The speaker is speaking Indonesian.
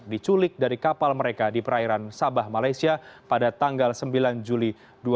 diculik dari kapal mereka di perairan sabah malaysia pada tanggal sembilan juli dua ribu dua puluh